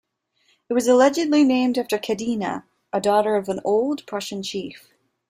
It was allegedly named after Cadina, a daughter of an Old Prussian chief.